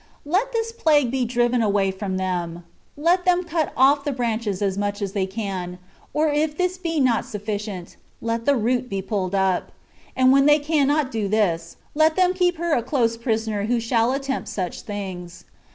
Let this plague be driven away from them : let them cut off the branches as much as they can ; or if this be not sufficient, let the root be pulled up ; and when they cannot do this, let them keep her a close prisoner who shall attempt such things.